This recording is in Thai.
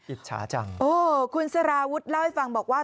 อิจฉาจังโอ้คุณสารวุฒิเล่าให้ฟังบอกว่า